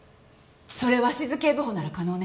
それ鷲頭警部補なら可能ね。